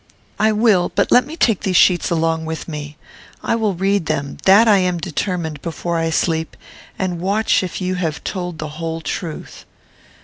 "I will, but let me take these sheets along with me. I will read them, that I am determined, before I sleep, and watch if you have told the whole truth."